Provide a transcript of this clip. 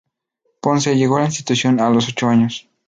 Ponce llegó a la institución a los ocho años.